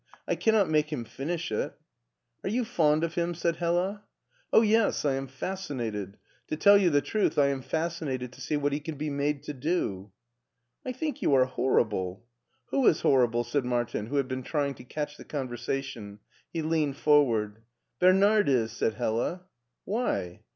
I can not make him finish it" " Are you fond of him? " said Hella. " Oh, yes, I am fascinated ; to tell you the truth, I am fascinated to see what he can be made to do." " I think you are horrible." "Who is horrible?" said Martin, who had been trying to catch the conversation. He leaned forward. " Bernard is," said Hella. "Why?"